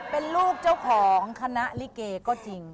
เป็นลูกเจ้าของคณะลิเกก็จริง